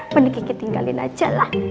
paling kiki tinggalin aja lah